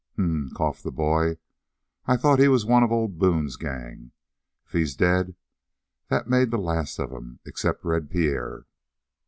"Hm!" coughed the boy. "I thought he was one of old Boone's gang? If he's dead, that made the last of 'em except Red Pierre."